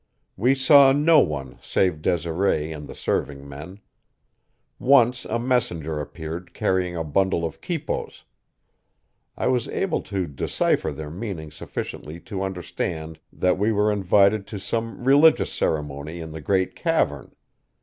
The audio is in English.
We saw no one save Desiree and the serving men. Once a messenger appeared carrying a bundle of quipos; I was able to decipher their meaning sufficiently to understand that we were invited to some religious ceremony in the great cavern.